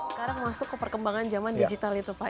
sekarang masuk ke perkembangan zaman digital itu pak